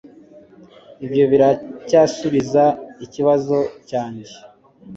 Ibyo biracyasubiza ikibazo cyanjye